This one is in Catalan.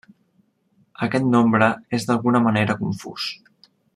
Aquest nombre és d'alguna manera confús.